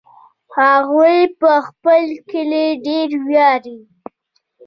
هغوی په خپل کلي ډېر ویاړي